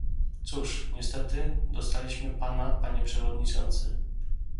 Cóż, niestety - dostaliśmy pana, panie przewodniczący